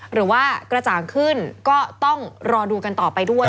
หรือว่ากระจ่างขึ้นก็ต้องรอดูกันต่อไปด้วย